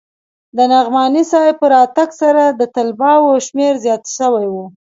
د نعماني صاحب په راتگ سره د طلباوو شمېر زيات سوى و.